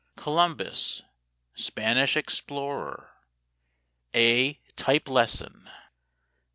COLUMBUS, SPANISH EXPLORER. A TYPE LESSON.